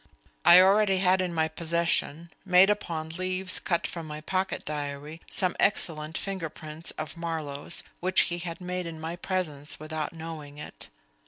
I already had in my possession, made upon leaves cut from my pocket diary, some excellent finger prints of Marlowe's, which he had made in my presence without knowing it.